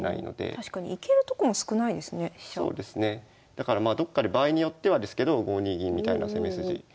だからまあどっかで場合によってはですけど５二銀みたいな攻め筋もおおお。